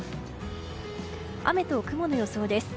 雨と雲の予想です。